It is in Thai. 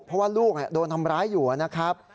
เพราะว่าลูกโดนทำร้ายอยู่นะครับ